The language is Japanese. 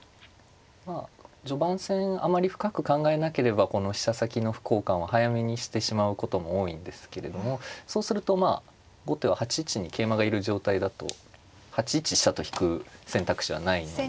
まあ序盤戦あまり深く考えなければこの飛車先の歩交換は早めにしてしまうことも多いんですけれどもそうするとまあ後手は８一に桂馬がいる状態だと８一飛車と引く選択肢はないので。